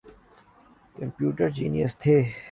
Computer genius تھے۔